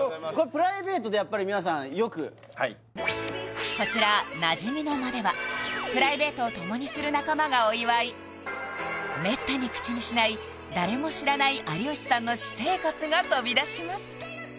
プライベートで皆さんよくはいこちら馴染みの間ではプライベートを共にする仲間がお祝いめったに口にしない誰も知らない有吉さんの私生活が飛びだします